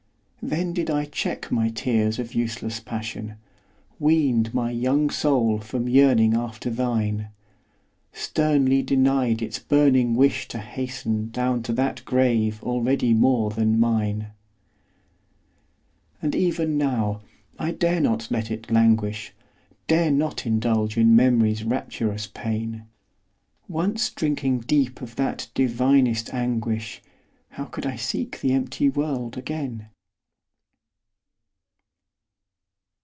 Then did I check my tears of useless passion, Weaned my young soul from yearning after thine, Sternly denied its burning wish to hasten Down to that grave already more than mine! And even now, I dare not let it languish, Dare not indulge in Memory's rapturous pain; Once drinking deep of that divinest anguish, How could I seek the empty world again?